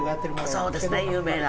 そうですね有名な。